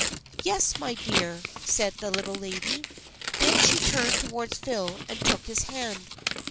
"" Yes, my dear," said the Little Lady. Then she turned towards Phil and took his hand.